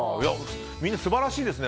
みんな素晴らしいですね。